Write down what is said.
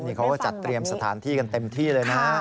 นี่เขาก็จัดเตรียมสถานที่กันเต็มที่เลยนะ